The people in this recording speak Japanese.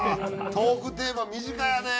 トークテーマ身近やね。